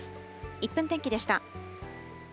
１分天気でした。